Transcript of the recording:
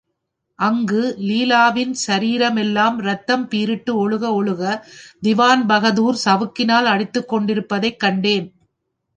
அங்கு லீலாவின் சரீரமெல்லாம் ரத்தம் பீரிட்டு ஒழுக ஒழுகத் திவான்பகதூர் சவுக்கினால் அடித்துக்கொண்டிருப்பதைக் கண்டேன்.